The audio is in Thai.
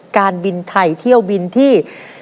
การบินไทยเที่ยวบินที่